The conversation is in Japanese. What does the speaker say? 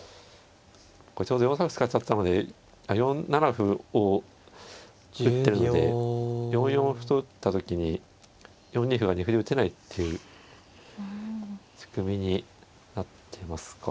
これちょうど４三歩使っちゃったのであっ４七歩を打ってるので４四歩と打った時に４二歩が二歩で打てないっていう仕組みになってますか。